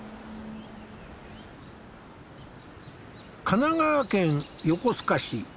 神奈川県横須賀市。